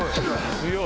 強い！